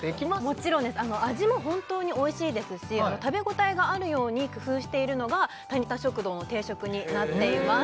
もちろんです味も本当においしいですし食べ応えがあるように工夫しているのがタニタ食堂の定食になっています